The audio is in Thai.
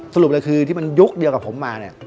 สรุปเลยคือที่มันยุคเดียวกับผมมาเนี่ย